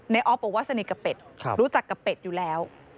ออฟบอกว่าสนิทกับเป็ดรู้จักกับเป็ดอยู่แล้ว